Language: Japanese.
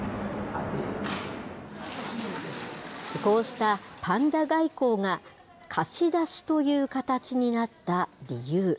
こうしたパンダ外交が貸し出しという形になった理由。